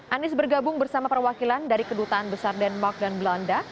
anies bergabung bersama perwakilan dari kedutaan besar denmark dan belanda